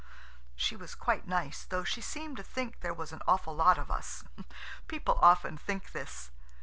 She was quite nice, though she seemed to think there was an awful lot of us. People often think this.